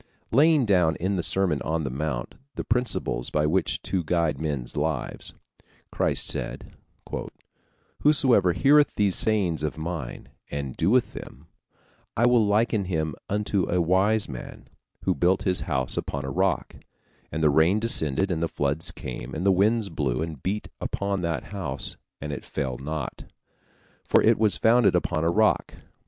Laying down in the Sermon on the Mount the principles by which to guide men's lives, Christ said: "Whosoever heareth these sayings of mine, and doeth them, I will liken him unto a wise man, who built his house upon a rock; and the rain descended, and the floods came, and the winds blew, and beat upon that house; and it fell not, for it was founded upon a rock.